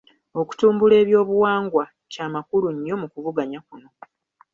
Okutumbula ebyobuwangwa kyamakulu nnyo mu kuvuganya kuno.